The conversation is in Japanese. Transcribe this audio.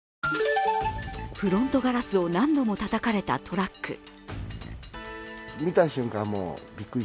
フロントガラスを何度もたたかれたトラック。